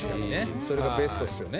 それがベストっすよね。